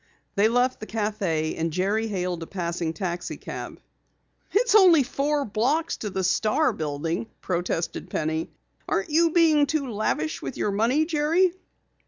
They left the café and Jerry hailed a passing taxicab. "It's only four blocks to the Star building," protested Penny. "Aren't you being too lavish with your money, Jerry?"